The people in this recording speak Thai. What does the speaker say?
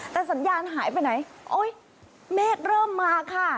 แต่สัญญาณหายไปไหนโอ๊ยเมฆเริ่มมาค่ะ